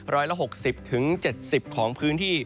ร้อยละ๖๐๗๐ของพื้นที่